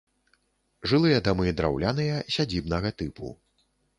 Жылыя дамы драўляныя, сядзібнага тыпу.